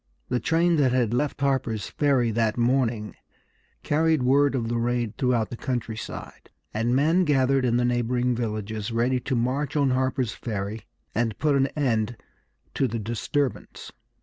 The train that had left Harper's Ferry that morning carried word of the raid throughout the countryside, and men gathered in the neighboring villages ready to march on Harper's Ferry and put an end to the disturbance.